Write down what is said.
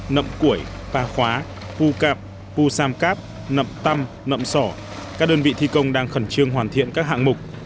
nậm củi pa khóa pu cạp pu sam cáp nậm tâm nậm sỏ các đơn vị thi công đang khẩn trương hoàn thiện các hạng mục